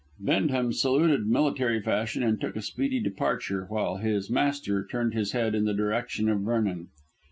Bendham saluted military fashion and took a speedy departure, while his master turned his head in the direction of Vernon.